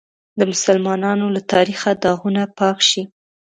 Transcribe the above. د مسلمانانو له تاریخه داغونه پاک شي.